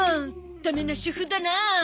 ダメな主婦だなあ。